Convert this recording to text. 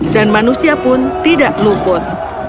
dan manusia pun tidak luput